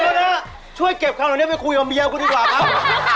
เอ้อทุกคนเจอกับช่วยเก็บคำนี้ไปคุยกับเบี้ยงคุณดีกว่าครับ